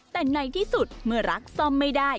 แต่ในที่สุดเมื่อรักซ่อมไม่ได้